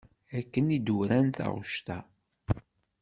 Akken i d-uran taɣect-a.